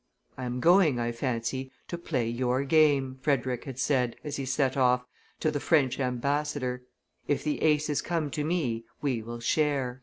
"I am going, I fancy, to play your game," Frederick had said, as he set off, to the French ambassador: "if the aces come to me we will share."